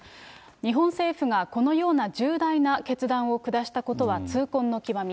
日本政府がこのような重大な決断を下したことは痛恨の極み。